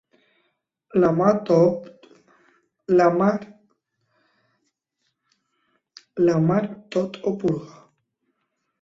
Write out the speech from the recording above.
La mar tot ho purga.